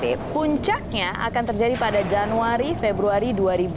jadi puncaknya akan terjadi pada januari februari dua ribu dua puluh satu